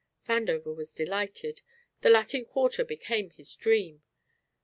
Vandover was delighted; the Latin Quarter became his dream.